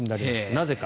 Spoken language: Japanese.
なぜか。